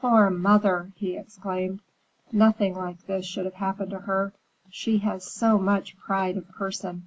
"Poor mother!" he exclaimed; "nothing like this should have happened to her. She has so much pride of person.